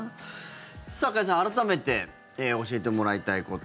加谷さん、改めて教えてもらいたいこと。